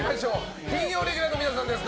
金曜レギュラーの皆さんです。